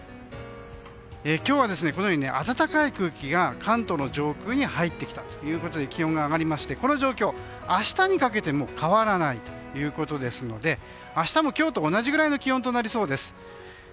今日は、暖かい空気が関東の上空に入ってきたということで気温が上がりましてこの状況は明日にかけても変わらないということですので明日も今日と同じぐらいの気温となりそうです。